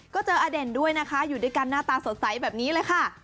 ก็เจออเด่นด้วยนะคะอยู่ด้วยกันหน้าตาสดใสแบบนี้เลยค่ะ